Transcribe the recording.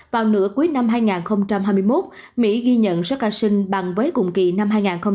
vào nửa cuối năm hai nghìn hai mươi một mỹ ghi nhận số ca sinh bằng với cùng kỳ năm hai nghìn hai mươi hai